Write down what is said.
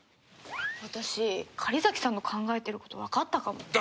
私狩崎さんが考えてることわかったかも。